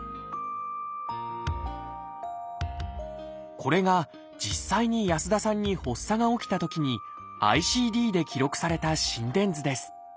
これが実際に安田さんに発作が起きたときにＩＣＤで記録された心電図です。